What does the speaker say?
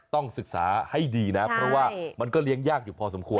ต้องศึกษาให้ดีนะเพราะว่ามันก็เลี้ยงยากอยู่พอสมควร